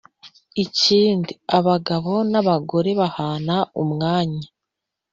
Ikindi abagabo nabagore bahana umwanya